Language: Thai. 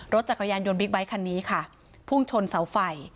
รถจักรยานยนต์บิ๊กไบท์คันนี้ค่ะพุ่งชนเสาไฟ